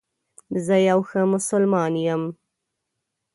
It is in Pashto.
زه یو ښه مسلمان یم